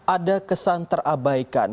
ada kesan terabaikan